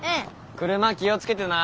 車気を付けてな。